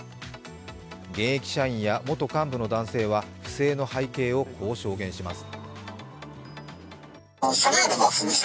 現役社員や元幹部の男性は不正の背景をこう証言します。